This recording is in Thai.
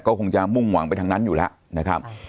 ก็คงจะมุ่งหวังไปทางนั้นอยู่แล้วนะครับ